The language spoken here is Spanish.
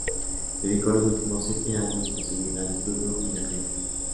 Dedicó los últimos siete años de su vida al estudio y la caridad.